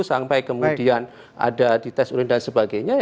sampai kemudian ada di tes urin dan sebagainya